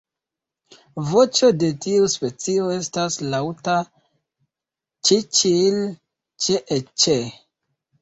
Voĉo de tiu specio estas laŭta "ĉi-ĉil-ĉee-ĉe".